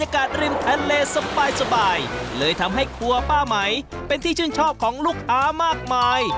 กับบรรยากาศริมทะเลสบาย